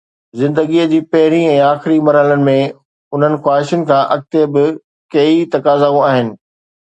زندگيءَ جي پهرئين ۽ آخري مرحلن ۾، انهن خواهشن کان اڳتي به ڪيئي تقاضائون آهن.